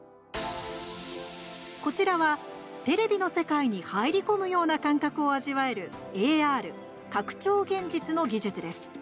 こちらは、テレビの世界に入り込むような感覚を味わえるＡＲ＝拡張現実の技術です。